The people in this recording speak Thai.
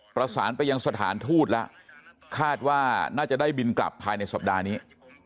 ประสานไปยังสถานทูตแล้วคาดว่าน่าจะได้บินกลับภายในสัปดาห์นี้